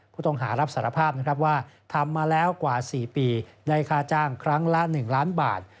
ผู้ต้องหารับสารภาพนะครับว่าทำมาแล้วกว่า๔ปีได้ค่าจ้างครั้งละ๑ล้านบาท